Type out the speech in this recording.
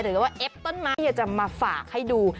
หรือว่าเอ็บต้นไม้จะมาฝากให้ดู